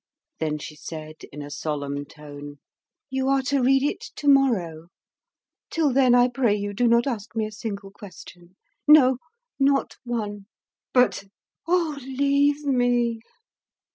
Then she said in a solemn tone: "You are to read it to morrow; till then, I pray you, do not ask me a single question. No, not one!" "But " "Oh, leave me!"